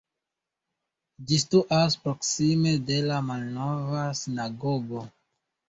Ĝi situas proksime de la malnova sinagogo.